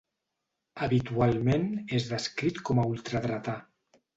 Habitualment és descrit com a ultradretà.